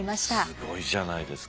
すごいじゃないですか。